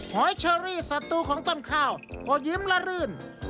หอยเชอรี่สัตรูของต้นข้าวก็ยิ้มละรื่น